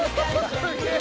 すげえ！